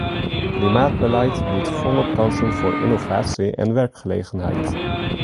Klimaatbeleid biedt volop kansen voor innovatie en werkgelegenheid.